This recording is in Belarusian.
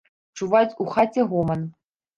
Чуваць у хаце гоман.